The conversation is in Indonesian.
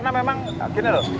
karena memang gini loh